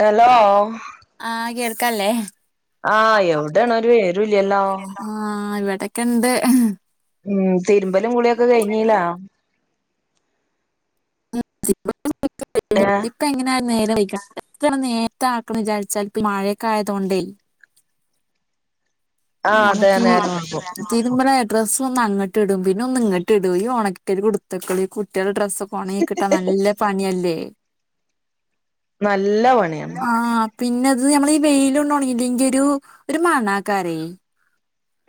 Hello ആഹ് കേൾക്കല്ലേ ആഹ് എവിടേണ്ണ് ഒരു വിവരം ഇല്ലല്ലോ അതൊക്കെണ്ട് ഉമ് തിരുമ്പലും കുളിയൊക്കെ കഴിഞ്ഞീലാ [unintelligible] ഏഹ് ഇപ്പ എങ്ങന [unintelligible] നേരെത്തേ ആക്കാന്ന് വിചാരിച്ചാൽ ഇപ്പ മഴയൊക്കെ ആയതൊണ്ടേ ആഹ് അതെ നമുക്ക് നേരം വെളുക്കും ഈ തിരുമ്പണ ഡ്രസ്സ് ഒന്ന് അങ്ങട്ട് ഇടും പിന്നെ ഒന്ന് ഇങ്ങട്ട് ഇടും ഈ ഒണക്കി കരി കൊടുത്തക്കല്ല് ഈ കുട്ടികളെ ഡ്രസ്സ് ഒക്കെ ഒണങ്ങി കിട്ടാ നല്ല പണിയല്ലേ നല്ല പണിയാണ് പിന്നെ അത് ഞമ്മള ഈ വെയിലൊണ്ടണങ്ങില്ലങ്കി ഒരു ഒരു മണാക്കാരേ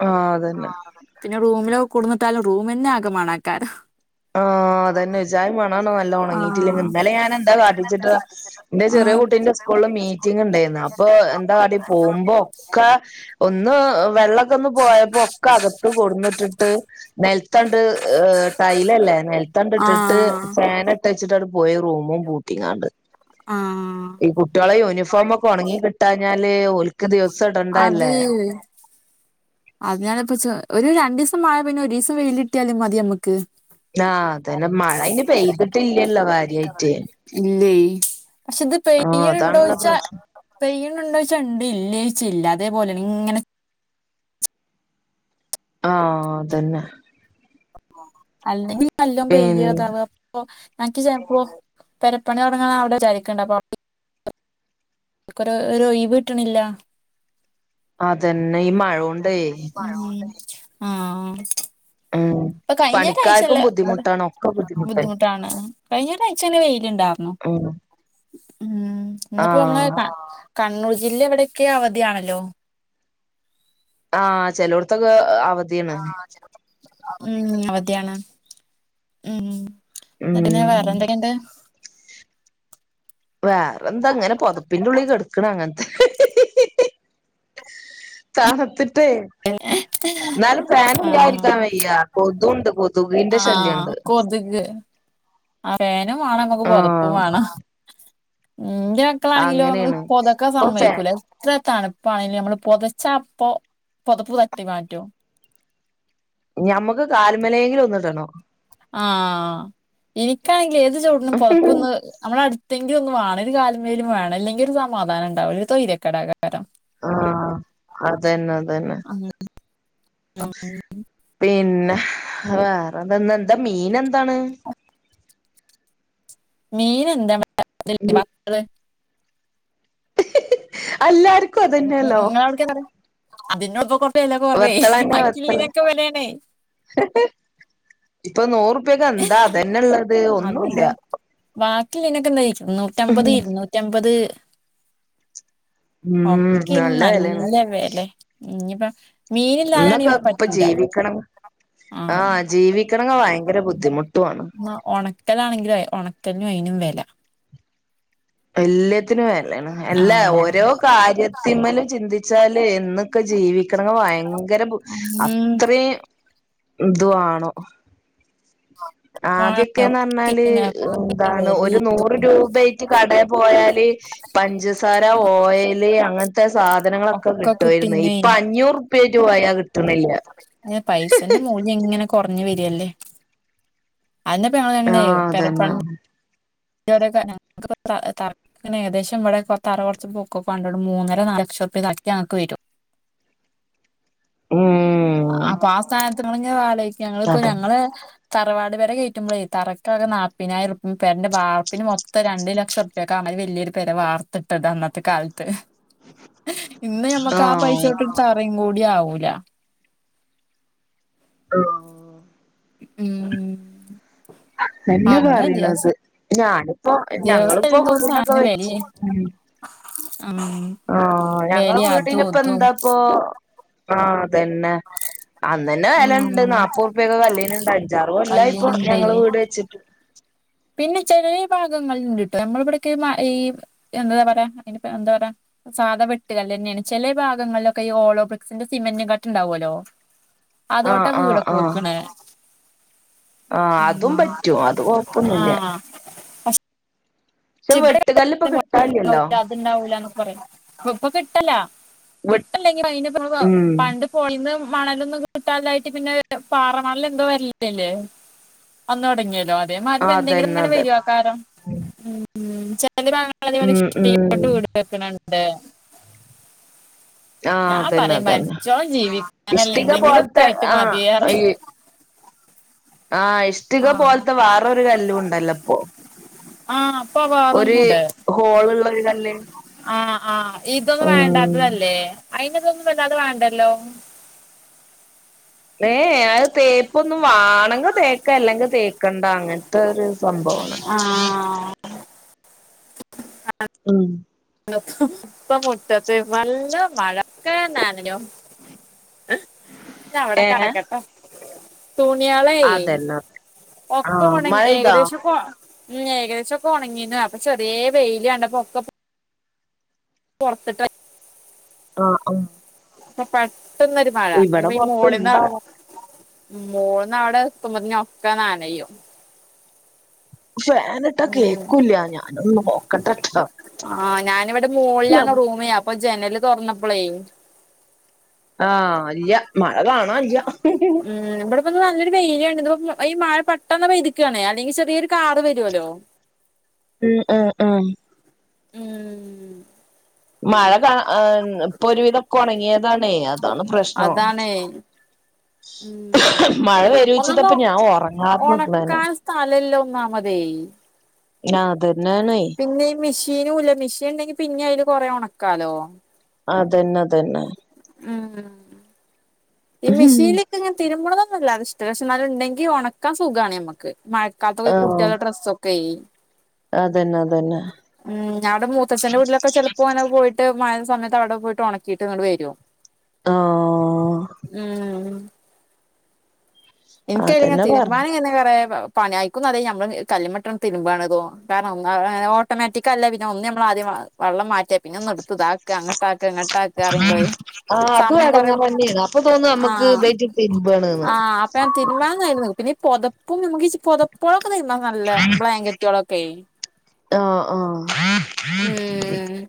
ആഹ് അതന്നെ ആഹ് പിന്നെ റൂമിലൊക്കെ കൊണ്ടുവന്നിട്ടാലും റൂം തന്നെ ആകെ മണക്കാരും ആഹ് അതന്നെ ഒജായി മണാണ് നല്ല ഉണങ്ങിട്ടില്ലങ്കി ആഹ് ഇന്നലെ ഞാൻ എന്താ കാട്ടിച്ചിട്ടാ ഇന്റെ ചെറിയ ആഹ് കുട്ടീന്റെ സ്കൂ ളിൽ മീറ്റിങ് ഇണ്ടെന്നു അപ്പൊ എന്താ കാട്ടി പോകുമ്പോ ഒക്ക ഒന്ന് വെള്ളൊക്ക ഒന്ന് പോയപ്പോ ഒക്കെ അകത്ത് കൊടുന്നിട്ടിട്ട് നെലത്തങ്ങട്ട് ടൈ ല്ലല്ലേ നെലത്തങ്ങിട്ടിട്ട് ആഹ് ഫാൻ ഇട്ടച്ചിട്ട് പോയി റൂമും പൂട്ടി ങ്ങാണ്ട് ആഹ് ഈ കുട്ടികളെ യൂണിഫോമൊക്കെ ഉണങ്ങി കിട്ടാഞ്ഞാല് ഓൽ ക്ക് ദിവസം ഇടണ്ടല്ലേ അതിനാല ഇപ്പ ഒരു രണ്ട് ദിവസം മഴ പിന്നെ ഒരു ദിവസം വെയിലിട്ടിയാലും മതി നമുക്ക് ആഹ് അതന്നെ മഴ അയിന് പെയ്തിട്ടില്ലല്ലോ കാര്യായിട്ട് ഇല്ലേ പക്ഷെ ഇത് ആഹ് പെയ്യുണ്ടുണ്ടോ അതാണല്ലോ ചോദിച്ചാ പ്രശ്നം പെയ്യു ഉണ്ടോന്ന് ചോദിച്ച ഉണ്ട് ഇല്ല ചോയ്ച്ച ഇല്ല അതേപോലെയാണ് ഇങ്ങനെ ആഹ് അതന്നെ അല്ലങ്കി നല്ല പിന്നെ പെയ്യാതാവ അപ്പൊ എനിക്ക് ചെലപ്പോൾ പെരപ്പണി തുടങ്ങണ അവിടെ വിചാരിക്കണ്ട [unintelligible] ഒരു ഒരു ഒഴിവ്‌കിട്ടണില്ല അതന്നെ ഈ മഴൊണ്ടേ ഉം ആഹ് അഹ് ആഹ് ഇപ്പൊ കഴിഞ്ഞ ഒരാഴ്ചല്ല ബുദ്ധിമുട്ടന്നെ ബുദ്ധിമുട്ടാണ് കഴിഞ്ഞ ഒരാഴ്ച നല്ലെ വെയിലുണ്ടാർന്നു [inaudible] ഉം ഇന്ന്പ്പോ ങ്ങ് ആഹ് ക കണ്ണൂർ ജില്ല എവിടെക്കെ അവധിയാണല്ലോ ആഹ ചെലടത്തൊക്കെ ഉം അവധിയാണ് ഉം എന്നിട്ടന്നാ ഉം വേറെ എന്തൊക്കെ ഇണ്ട് വേറെ എന്താങ്ങനെ. പൊതപ്പിന്റെ ഉള്ളിൽ കടുക്കണ അങ്ങനെ താണ്തി ട്ട് എന്നാലും ഫാൻ ആഹ് ഇല്ലായിരിക്കാൻ വയ്യ കൊതുണ്ട് കൊതിന്റെ ആഹ് ശല്യണ്ട് കൊതുക് ആ ഫാനും വാണം നമ്മക്ക് പൊതപ്പും ആഹ് വാണം മ് എന്റെ മക്കളാണെങ്കിലോ ഇങ്ങൾ അങ്ങനെയാണ് പൊതക്കാ ഇപ്പൊ സമ്മയിക്കൂല എത്ര ണപ്പ ആണെലും നമ്മള് പൊതച്ച അപ്പൊ പുതപ്പ് തട്ടി മാറ്റും ഞമ്മക്ക് കാൽമലയെങ്കിലും ഒന്നിടണം ആഹ എനിക്കാണെങ്കിൽ ഏത് ചോടിനും പൊതപ്പന്ന് നമ്മള അട്‌ എന്തങ്കിലും ഒന്ന് വേണം ഒരു കാൽമേലും വേണം അല്ലെങ്കിൽ സമാധം ഉണ്ടാവില്ല ഒരു തൊഴിരക്കേട ആഹ അതന്നെ അതന്നെ പിന്നെ വേറെന്തന്ന എന്താ മീൻ എന്താണ് മീൻ എന്താ [unintelligible] അല്ലാരും [unintelligible] വില കുറവേ വെത്തളന്നെ വെത്തള് മക്കില്ലീനൊക്കെ വലെ ണേ ഇപ്പൊ നൂറുപ്യൊക്കെ എന്താ അതന്നെള്ള അതനെ ബാക്കിലെനെകെ നൂറ്റമ്പത് ഇരുനൂറ്റമ്പത് അത് ഉം ഒക്കെ വെലയാണ് നല്ല വെലെ ഇഞ്ഞ്പ്പ ഇന്നൊക്കെ ഇപ്പൊ ജീവിക്കണ ആഹ ആഹ് ജീവിക്കണ ഭയങ്കര ബുദ്ധിമുട്ടുണ് ലാണെങ്കിലും ഉണക്കലിനും അയിനും വെല എല്ല ത്തിനും വല്ലാണ് അല്ല ആഹ് ഓരോ കാര്യത്തിമ്മലും ചിന്തിച്ചാല് എന്നൊക്കെ ജീവിക്കണെങ്ക ഭയങ്കര ഉം അത്രയും ഇതു ആണോ ആദ്യക്കെന്ന് പറഞ്ഞാല് എന്താണ് ഒരു വെലിം നൂറ് രൂപറ്റ് അ പോയാല് പഞ്ചസാര ഓയല് അങ്ങനത്തെ സാധനങ്ങളൊക്കെ ഒക്കെ കിട്ടുവമായിരുന്നു കിട്ടീന്നേ ഇപ്പൊ അഞ്ഞൂറുപ്യട്ട് പോയാ കി പൈസന്റെ മൂല്യം എങ്ങനെ കുറഞ്ഞ് വരില്ലേ അയിനപ്പ ഞങ്ങൾ എങ്ങനെ ആഹ് അതന്നെ പേരപ്പണി [unintelligible] ഏകദേശം ഇവിടെ തറ കുറച്ച് പൊക്കണ്ട മൂന്നര നാല [unintelligible] ഞങ്ങക്ക് വരും ഉം അപ്പൊ ആ സ്ഥാനത്ത് ങ്ങനെ അലോയിക്ക ഞങ്ങളിപ്പോ അതെ ഞങ്ങള് തറവാട് പരെ കയറ്റുമ്പോളേ തറക്കാ ക്കെ നാൽപ്പതിനായിരം റുപിമ് പേരൻ്റെ വാറ് പ്പിന് മൊത്തം രണ്ട് ലക്ഷംറുപൊക്കെ അത് വലിയൊരു പേരെ വാർത്തിട്ടത് അന്നത്തെ കാലത്ത് ഇന്ന് ഞമ്മക്ക് ആ ആഹ് പൈസോട്ട് തറയും കൂടി ആകൂല ഹ ഉം എന്നെ അങ്ങനെ പറയണത് ദിവസം ഞാൻ ഇപ്പൊ ദിവസം ഞങ്ങളിപ്പോ വരുന്തോറും വീടൊക്കെ സാധനത്തിന് വെച്ച് വെലയായി ഉം ആ ഞങ്ങള വെലയും അതും വീടിനപ്പ ഇതും എന്താപ്പൊ ആ അതന്നെ അന്ന തന്നെ വിലുണ്ട് ഉം നാപ്പറുപൊക്കെ കല്നിണ്ട് അഞ്ചാറ് കൊല്ലായി ഇപ്പോ ഞങ്ങള് കല്ലിനുണ്ടേ വീട് വെച്ചിട്ട് പിന്നെ ചെറിയ ഭാഗങ്ങളിൽ ഉണ്ട്ട്ടോ നമ്മള ഇവിടക്കെ ഈ എന്താ പറയാ അയ്ന് എന്താ പറയാ സാധാ വെട്ടുകല്ല് ന്നെയാണ് ചലേ ഭാഗങ്ങളിലൊക്കെ ഈ ഓളോ ബ്രിക്സിന്റെ സിമന്റും കട്ടണ്ടാവുല്ലോ അതോട്ട ആഹ് വീടൊക്കെ വെക്ണേ ആ അതും പറ്റും അത് കൊഴപ്പൊന്നുല്ല. അശ് ശ വെട്ട് കല്ല് ഇപ കി [unintelligible] ല അത്ണ്ടാവൂലന്ന് ഒക്കെ പറയും ഇപ്പൊ കിട്ടല. വെ ക്ട്ടല്ലെങ്കി അയ് ഉം പണ്ട് പോയി ന്ന് മണലൊന്നും കിട്ടാതായിട്ട് പിന്നെ പാറ മണല് എന്തോ വരല്ലേല്ലേ വന്ന് തുടങ്ങിയല്ലോ അതേമാതിരി എന്തെങ്കിലും അതന്നെ അങ്ങനെ അതന്നെ വരേക്കാ രം. [unintelligible] ഞങ്ങളവടെ ഉം ഉം ഇഷ്ട്ടികോട്ട് വീട് വെക്ണ ണ്ട്. ആഹ് ഞാൻ അതന്നെ പറിം അതന്നെ മരിച്ചോളം ജീവിക്കാനല്ലേ ഇഷ്ടിക പോലത്തെ എന്തെങ്കിലുംക്കെയിട്ട് ആഹ് മതീയറിം. ഈ ആഹ് ഇഷ്ടിക പോലത്തെ വേറെരു കല്ലും ണ്ടല്ലോ ഇപ്പൊ. ആ അപ്പൊ ഒരു വേറൊന്നുണ്ട് ഹോള്ള് ള്ള ര് കല്ല്. ആ ആ ഇതൊന്നും ആഹ് വേണ്ടാത്തതല്ലേ. അയി ന് തൊന്നും വല്ലാതെ വേണ്ടല്ലോ? ഏ ഏ അത് തേപ്പൊന്നും വാണെങ്കി തേക്ക അല്ലെങ്കി തേക്കണ്ട അങ്ങൻത്തെ ഒര്. സംഭവാണ്. ആ ഉം. ക്കെ മുറ്റത്ത് ഏന്നു നല്ല മഴ ക്കെന്നനഞ്ഞു. ഞ്ഞ് അ വടെ ഏ കടക്കട്ടെ. തുണിയാള് അതന്നെ അതെ ഒക്കെ ആഹ് ഒണങ്ങി മഴെയ്താ ഏകദേശൊക്കെഒ ഏകദേശൊക്കെ ഒണങ്ങീണ് അപ്പൊ ചെറെ വെയില് കണ്ടപ്പോ ഒക്കെ പൊ പൊർത്തിട്ടാ ആആ. പ്പം പെട്ടെന്നൊരു മഴ ഇനിപ്പ ഈ മോളീ ന്ന് പൊറത്ത്ണ്ടാവോ മോൾന്ന് അവടെ എത്തുമ്പതി ന് ഒക്കെ ന്നനയും. ഉം ഫേന്ട്ടാകേക്കൂല ഞാനത് നോക്കട്ടെട്ടൊ. ആ ഞാനിവിടെ മോളിലാണ് റൂമെയ് അപ്പൊ ജനല് തെറന്നപ്പളേ ആ ഇല്യ മഴ കാണാല്യാ. ഉം ഇവിടെ ഇപ്പോ നല്ലരു വെയില്ണ്ട് ഇ ഈ മഴ പെട്ടെന്ന് പെയ്ത് കാണ് അല്ലെങ്കിചെറേ ഒര് കാറ് വരോല്ലോ? ഉം ആ ആ ഉം. മഴ കാ ഇപ്പൊ ഒരുവിധം ഒക്കെ ഉണങ്ങേതാണേ അതാണ് പ്രശ്നം. അതാണേ ഉം മഴ വരൂച്ച് ട്ടാ ഒന്നാമത് പ്പം ഞാ ഒറങ്ങാതെ നിക്ക്ണത് ന്നെ. ന്നാമതെയ്. ഞ അതന്നെ ണെ മിഷീനൂല്ല മിഷീൻ ഇണ്ടെങ്കി പിന്നെ അയില് കൊറേ ഒണക്കാലോ? അതന്നെ തന്നെ. ഉം ഈ മെഷീന് ല്ട്ട് ഇങ്ങനെ തിരുമ്പ് ല്ലാതെ ഇഷ്ട ല്ലക്ഷെ ന്നാലും ണ്ടെങ്കി ഒണക്കാൻ സുഖാണ് നമ്മക്ക് മഴക്കാലത്ത് ഒക്കെ ആഹ് കുട്ട്യാളെ ഡ്രസ്സൊക്കെ അതന്നെ അതന്നെ ഉം ഞാ വടെ മൂത്തച്ഛന്റെറെ വീട്ടിലൊക്കെ ചെലപ്പോ ന പോയി ട്ട് മഴ സമയത്ത് അവിടെ പോയിട്ട് ഒണക്കിട്ട് ങ്ങട് വരും ആഹ് ഉം. ന്ക്ക് അയ്ല് ങ്ങനെ അതന്നെ പറഞ്ഞെ തിര്മ്പാന് ങ്ങനെ കൊറേ പണ്യാഅയ്ക്കും നല്ല നമ്മള് കല്ലുമ്മ ട്ടാണ് ണ്ട് തിര്മ്പാണ് തോന്നും കാരണം ഓട്ടോമാറ്റിക് അല്ല ഒന്ന് ഞ്ഞമ്മള് ആദ്യം വെള്ളം മാറ്റി മറ്റ പിന്നെ ഒന്ന് ഇടത്ത് ഇതാക്കാ അങ്ങട്ടാക്കാ ഇങ്ങട്ടാക്കാ അറിംബള് സമയംകൊറേ ക്ക് ഇതേറ്റ് തിര്ബാണ്. വേ തിര്മ്പാൻ കയും പിന്നെ ഈ പുതപ്പും നമ്മക്ക് ഈ പൊതപ്പോളക്കെ തിര്മ്പാൻ നല്ല ബ്ലാങ്കറ്റോളൊക്കെ ആഹ് ആഹ് ഉം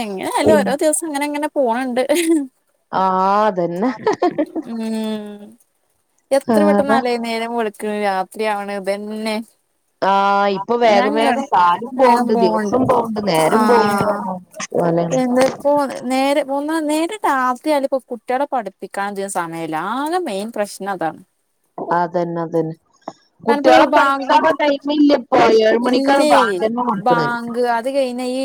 എങ്ങനായാലും ഓരോ ദിവസം ഇങ്ങനെ ഇങ്ങനെ പോണണ്ട്. ആഹ് അതന്നെ ഉം എത്ര വേറെ പെട്ടെന്നാല്ലേ നേരം വെളുക്കണ് രാത്രിയാവണ് ഇതന്നെ. ആഹ് ഇപ്പൊ ഞാ വേഗം ഇങ്ങനാണ് കാലം വേഗം വേഗം പോവ്ണ്ട് ദിവസം ആ നേരം പോവ്ണ്ട് പോലെയാണ് എന്താ ഇപ്പോ നേര മൂന്നാ നേരം രാത്രിയാലും ഇപ്പോ കുട്ടിളെ പഠിപ്പിക്കാൻ അധികം സമയല്ല. ആകെ മെയിൻ പ്രശ്നം അതാണ്. അതന്നെ അതന്നെ ആനപ്പൊ കുട്ടികളെ ബാങ്ക് പഠിപ്പിക്കാനുള്ള ടൈമില്ല ഇപ്പൊ ഏഴ് മണിക്കാണ് ഇല്ലേ ബാങ്കന്നെ കൊടുക്കണത് ബാങ്ക് അത് കഴിഞ്ഞാ ഈ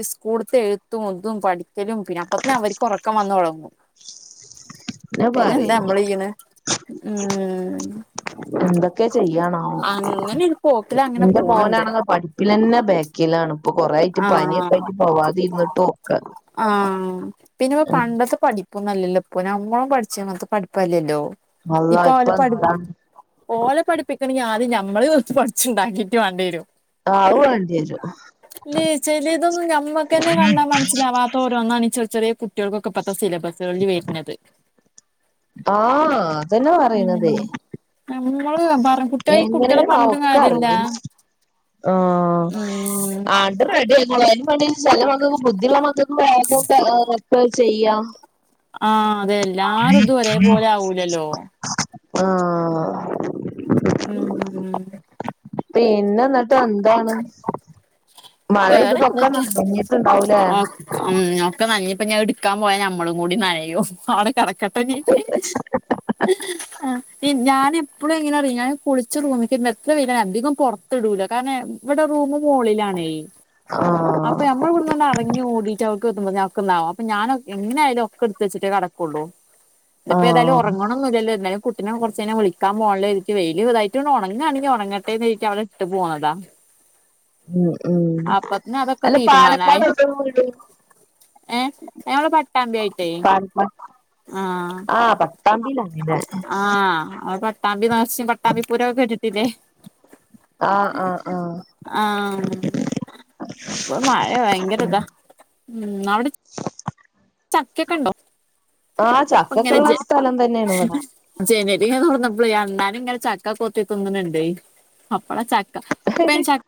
ഈ സ്കൂളത്തെ എഴുത്തും ഇതും പഠിക്കലും പിന്നെ അപ്പത്തന്നെ അവർക്ക് ഒറക്കം വന്നുതൊടങ്ങും പിന്നെ എന്താ നമ്മള് ചെയ്യണ് ഉം ചെയ്യാണോ അങ്ങനെ ഒരു പോക്കില് അങ്ങനെ എന്റെ പോണണ്ട് മോനാണ് പഠിക്കലന്നെ ബേ ക്കിലാണ്. ഇപ്പൊ കൊറേ ആയിട്ട് പനിയൊക്കെ ആഹ് ആയിട്ട് പോവാതിരുന്നിട്ടൊക്കെ പിന്നയിപ്പ പണ്ടത്തെ പഠിപ്പൊന്നല്ലല്ലോ ഇപ്പൊ ഞമ്മളും പഠിച്ചോണത്തെ പഠിപ്പല്ലല്ലോ അള്ളാ ഇപ്പൊ ഓല് പഠി എന്താണ് ഓലെ പഠിപ്പിക്കണെങ്കി ആ ദ് ഞമ്മള് പഠിച്ചുണ്ടാക്കീട്ടൂ വേണ്ടേനൂ ആവുവേണ്ടി വരും. ഇല് ചെലെതൊന്നും ഞമ്മക്കന്നെ കണ്ടാ മനസ്സിലാവാത്ത ഓരോന്നാണ് ചെ ചെറിയ കു കുട്ടികൾക്കൊക്കെ ഇപ്പത്തെ സിലബസുകളില് വരുന്നത്. ആ അതന്നെ പറയണത്. ഉം നമ്മള് പറ കുട്ടികളെ കുട്ടികളെ എങ്ങനെയാണാവോ പറഞ്ഞിട്ടും കാര്യല്ല ഒക്കെറിഞ്ഞ് ആ ഉം ആട് റെഡിയായി മോളെ എന്നു പറഞ്ഞിച്ച് ചെല മക്കക്ക് ബുദ്ധിയുള്ള മക്കക്ക് വേഗമൊക്കെ എളുപ്പം ചെയ്യാം ആ അതെല്ലാരേതും ഒരേപോലെ ആവൂലല്ലോ. ആ ഉം പിന്നെ എന്നിട്ട് എന്താണ് മഴ വേറെ പെയ്തതൊക്കെ എന്തൊക്കെയാ നനഞ്ഞിട്ടുണ്ടാവൂലേ അ ഒക്കെ നനഞ്ഞപ്പോ ഞാൻ എടു ടുക്കാൻ പോയാ ഞമ്മളും കൂടി നനയും അവിടെ കെടക്കട്ടെനി ഞാന് എപ്പളും എങ്ങനാറിയോ ഞാൻ കുളിച്ച് റൂമിലേക്കിടണ എത്രംവെയിലാണെങ്കി അധികം പുറത്തിടൂല കാരണം ഇവിടെ റൂമ് മോളിലാണെ അപ്പൊ ആഹ് ഞമ്മള് ഇവിടെന്ന് ഇറങ്ങി ഓടിട്ട് ക്ക് എത്തുമ്പോ ഞക്ക്ന്നാവും അപ്പ ഞാന് എങ്ങനെയായാലും ഒക്കെ എടുത്തുവെച്ചിട്ടെ കെടക്കുവൊള്ളൂ. ഇതിപ്പോ ഏതായാലും ആഹ് ഒറങ്ങണോന്നുമില്ലല്ലോ എന്നാലും കുട്ടിനെ കുറച്ചുകഴിഞ്ഞാ വിളിക്കാൻ പോണുള്ളനിക്ക് വെയിൽ ഇതായിട്ടുവേണം ഉണങ്ങാണെങ്കിൽ ഉണങ്ങട്ടെയെന്നുവെച്ച് അവിടെ ഇട്ടുപോണതാ ഉ ഉം അതൊക്കെ അല്ല തീരുമാനായി പാലക്കാട് എവിടെയാ വീട്. ഏ ഞാനിവടെ പട്ടാമ്പി ആയിട്ടേ. പാൽമ ആ ആ പട്ടാമ്പിയിലാണ് ല്ലേ ആ അ പത്ത് പട്ടാമ്പി നേർച്ചേം പട്ടാമ്പി പൂരൊക്കെ കേട്ടിട്ടില്ലേ ആഹ് ആഹ് ആഹ് ആ ഇപ്പമഴ ഉം ഭയങ്കരഇതാ ഉം അവിടെ ചക്കൊക്കെ ഉണ്ടോ? ആ ഇപ്പങ്ങനെ ചക്കൊക്കെള്ള ജെ സ്ഥലം തന്നെയാണ് ഇവിടെ ജെനലിങ്ങനെ തൊറന്നപ്പ പ്പ ഈ അണ്ണാൻ ഇങ്ങനെ ചക്ക കൊത്തി തിന്നണുണ്ടേ അപ്പളാ ചക്ക് ഇപ്പ അയ്ന് ചക്ക്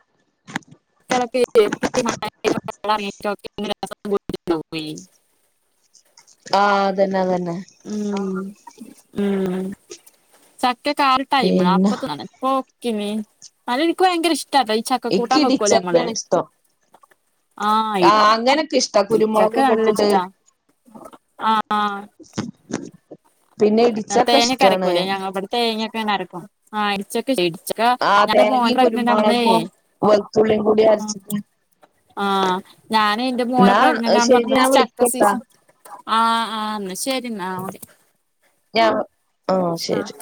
[unintelligible] [inaudible] ആ അതന്നെ അതന്നെ ഉം ഉം ചക്ക് ക്കെ [unintelligible] പിന്നെ ടൈമാണ് [unintelligible] ഓക്കെ നീ എന്നാലും എനിക്ക് ഭയങ്കര ഇഷ് ഷ്ടാട്ടൊ ഈ ഇക്ക് ചക്കകൂട്ടാൻ വെക്കൂലെ ഞമ്മള് ഇടിച്ചക്കയാണ് ഇഷ്ടം ആ ഇടി അങ്ങനൊക്കെ ഇഷ്ടാ ഇടിച്ചക്ക കുരുമുളകൊക്കെ നല്ല ഇട്ടിട്ട് ഇഷ്ടാ. ആ പിന്നെ ഇടിച്ചക്ക ഇഷ്ടാണ്. ങ്ങനാരിക്കും ആ ഇടിച്ചക്ക [unintelligible] ആ ഞന്റെ മോൻ തേങ്ങയും പ്രഗ്നറ്ന്ന കുരുമുളകും വെളുത്തുള്ളിയും കൂടി [unintelligible] അരച്ചിട്ട് ആഹ് ഞാന് എന്റെ മോനെ എന്നാ പ്രഗ്നന്റ് ശരി ഞാൻ ആണ്പറയണസമയത്ത് ചക്ക വിളിക്കട്ടാ സീസൻ ആ ആ എന്നാ ശെരിന്നാ ഓക്കെ ഞാ ആ ശെരി